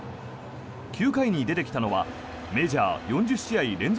９回に出てきたのはメジャー４０試合連続